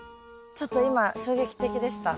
ちょっと今衝撃的でした。